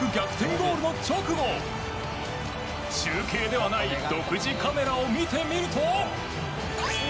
ゴールの直後中継ではない独自カメラを見てみると。